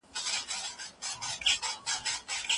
کله به نړیواله ټولنه ملي بودیجه تایید کړي؟